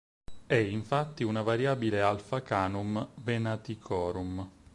È infatti una variabile Alfa Canum Venaticorum.